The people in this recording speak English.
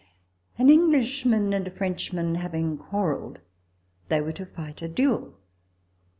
An Englishman and a Frenchman having quar relled, they were to fight a duel.